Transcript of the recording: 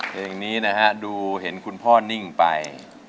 เพลงนี้นะฮะดูเห็นคุณพ่อนิ่งไป